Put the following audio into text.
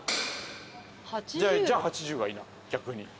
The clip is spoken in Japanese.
じゃあ８０がいいな逆に。